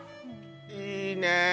いいね